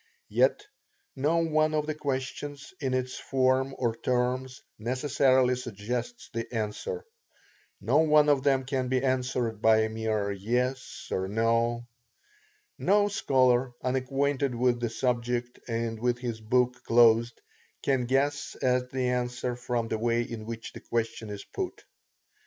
Yet no one of the questions, in its form, or terms, necessarily suggests the answer. No one of them can be answered by a mere "yes" or "no." No scholar, unacquainted with the subject, and with his book closed, can guess at the answer from the way in which the question is put.